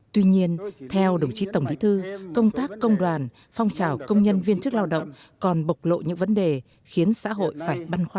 tuy nhiên theo đồng chí tổng bí thư công tác công đoàn phong trào công nhân viên chức lao động còn bộc lộ những vấn đề khiến xã hội phải băn khoăn